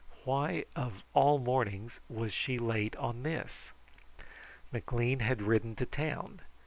Why, of all mornings, was she late on this? McLean had ridden to town.